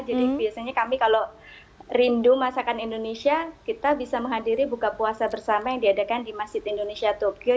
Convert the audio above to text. jadi biasanya kami kalau rindu masakan indonesia kita bisa menghadiri buka puasa bersama yang diadakan di masjid indonesia tokyo